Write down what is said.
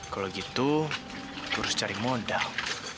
kalau gitu harus cari modal